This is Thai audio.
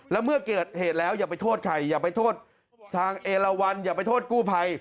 แล้วเมื่อเกิดเหตุแล้วอย่าไปโทษใครอย่าไปโทษทางเอลวันอย่าไปโทษกู้ภัย